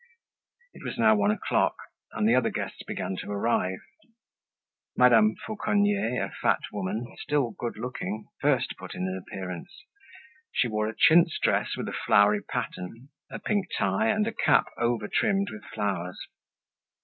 It was now one o'clock and the other guests began to arrive. Madame Fauconnier, a fat woman, still good looking, first put in an appearance; she wore a chintz dress with a flowery pattern, a pink tie and a cap over trimmed with flowers.